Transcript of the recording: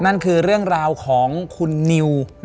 นั่นคือเรื่องราวของคุณนิว